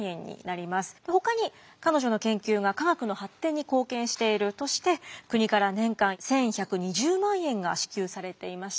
ほかに彼女の研究が科学の発展に貢献しているとして国から年間１，１２０万円が支給されていました。